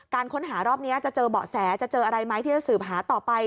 ค้นหารอบนี้จะเจอเบาะแสจะเจออะไรไหมที่จะสืบหาต่อไป